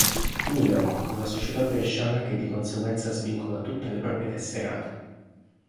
Milan, con la società bresciana che di conseguenza svincola tutte le proprie tesserate.